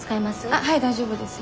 あっはい大丈夫ですよ。